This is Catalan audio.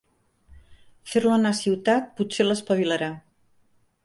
Fer-lo anar a ciutat potser l'espavilarà.